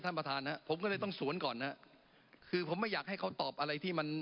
ท่านประธานฮะผมก็เลยต้องสวนก่อนฮะคือผมไม่อยากให้เขาตอบอะไรที่มัน